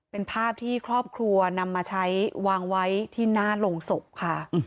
เป็นภาพที่ครอบครัวนำมาใช้วางไว้ที่หน้าโรงศพค่ะ